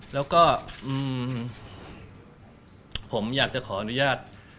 แล้วก็ผมอยากจะขออนุญาตชีแจงและเคลียร์ประโยชน์นะครับ